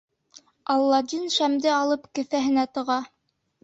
Аладдин шәмде алып кеҫәһенә тыға.